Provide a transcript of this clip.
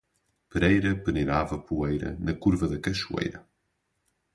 Pereira peneirava poeira na curva da cachoeira.